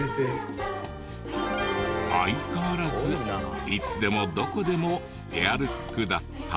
相変わらずいつでもどこでもペアルックだった。